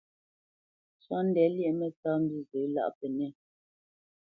Sóndɛ lyéʼ mǝ́tāmbîzǝ lâʼ pǝnɛ̂.